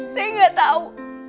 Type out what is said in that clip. saya gak tau